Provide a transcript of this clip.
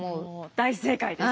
大正解です。